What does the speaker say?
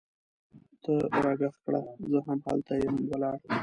ته راږغ کړه! زه هم هلته یم ولاړه